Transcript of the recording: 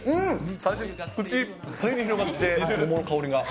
最初に口いっぱいに広がって、桃の香りが。